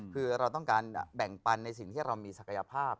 คือเราต้องการแบ่งปันในสิ่งที่เรามีศักยภาพ